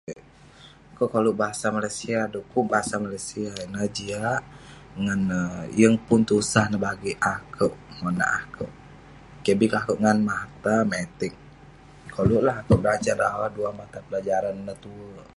Akeuk koluk Bahasa Malaysia dukuk Bahasa Malaysia ineh jiak ngan neh yeng pun tusah neh bagik akeuk, monak akeuk. Keh bi keh akeuk ngan mahtametik. Koluk lah akeuk berajan rawah duah mata pelajaran ineh tuek.